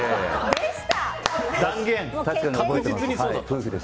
断言！